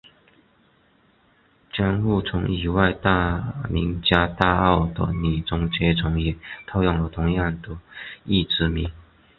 江户城以外大名家大奥的女中阶层也套用了同样的役职名。